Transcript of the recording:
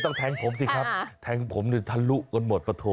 ต้องแทงผมสิครับแทงผมจะทะลุก็หมดปะโถ่